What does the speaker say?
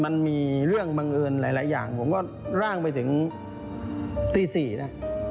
มันมีเรื่องบังเอิญหลายอย่างผมก็ร่างไปถึงตี๔นะ